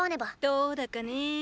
どーだかね。